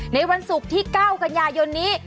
ในวันศุกร์ที่๙กันยายนนี้